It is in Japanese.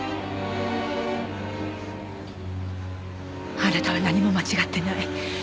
あなたは何も間違ってない。